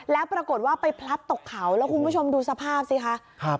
แล้วปรากฏว่าไปพลัดตกเขาแล้วคุณผู้ชมดูสภาพสิคะครับ